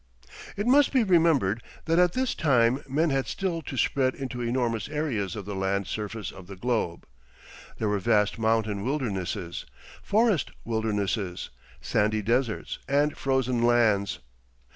It must be remembered that at this time men had still to spread into enormous areas of the land surface of the globe. There were vast mountain wildernesses, forest wildernesses, sandy deserts, and frozen lands.